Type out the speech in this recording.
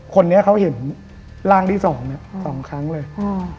คนนี้เขาเห็นร่างที่สองเนี้ยสองครั้งเลยอืม